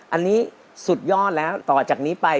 อันนี้สุดยอดแล้วต่อจากนี้ไป